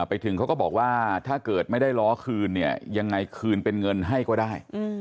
ไปถึงเขาก็บอกว่าถ้าเกิดไม่ได้ล้อคืนเนี่ยยังไงคืนเป็นเงินให้ก็ได้